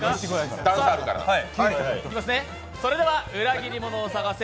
それでは「裏切り者を探せ！